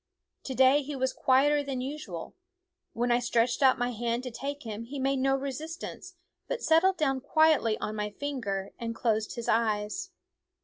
To day he was quieter than usual ; when I stretched out my hand to take him he made no resistance, but settled down quietly on my finger and closed his eyes.